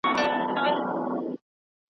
یو ښکاري وو چي په ښکار کي د مرغانو .